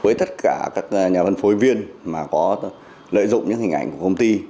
với tất cả các nhà phân phối viên mà có lợi dụng những hình ảnh của công ty